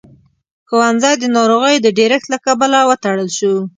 ښوونځی د ناروغيو د ډېرښت له کبله وتړل شو.